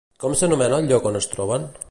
Com s'anomena el lloc on es troben?